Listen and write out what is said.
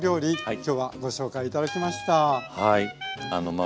今日はご紹介頂きました。